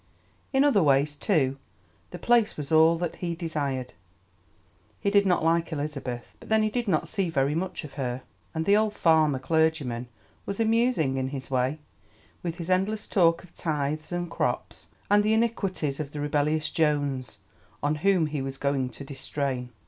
In other ways, too, the place was all that he desired. He did not like Elizabeth, but then he did not see very much of her, and the old farmer clergyman was amusing in his way, with his endless talk of tithes and crops, and the iniquities of the rebellious Jones, on whom he was going to distrain.